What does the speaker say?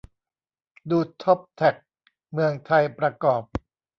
ดูท็อปแท็กเมืองไทยประกอบ